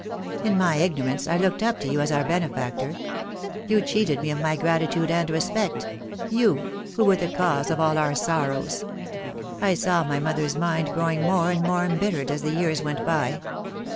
In my ignorance I looked up to you as our benefactor. You cheated me of my gratitude and respect — you, who were the cause of all our sorrows. I saw my mother's mind growing more and more embittered as the years went by.